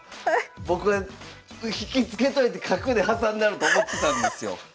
僕は引き付けといて角で挟んだろと思ってたんですよ。